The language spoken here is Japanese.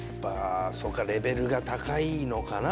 そうかレベルが高いのかな？